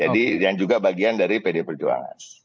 dan juga bagian dari pdi perjuangan